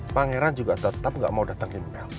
pangeran juga tetap gak mau datengin mel